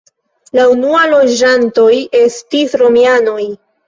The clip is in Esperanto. La unua loĝantoj estis romianoj.